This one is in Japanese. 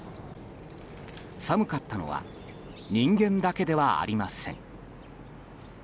寒かったのは人間だけではありません。